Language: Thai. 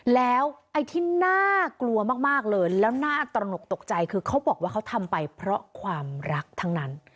แล้วไอ้ที่น่ากลัวมากเลยแล้วน่าตระหนกตกใจคือเขาบอกว่าเขาทำไปเพราะความรักทั้งนั้น